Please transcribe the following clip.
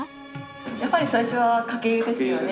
やっぱり最初はかけ湯ですよね。